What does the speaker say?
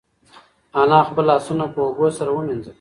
انا خپل لاسونه په اوبو سره ومینځل.